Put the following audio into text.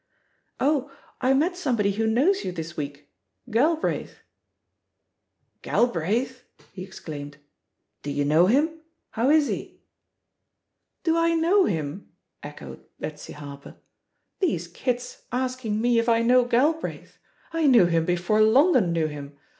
Oh, I met somebody who knows you this week — Galbraith." "Galbraithl" he exclaimed. "Do you know him? How is he?" Do I know him?" echoed Betsy Harper. cr THE POSITION OF PEGGY HARPER 107 ^'These kids asking me if I know Galbraith! I knew him before London knew him.